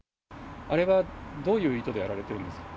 あれはどういう意図でやられてるんですか。